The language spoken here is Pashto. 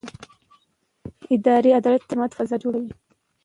اداري عدالت د اعتماد فضا جوړوي.